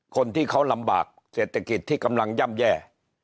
คนที่เขาลำบากเศรษฐกิจที่กำลังย่ำแย่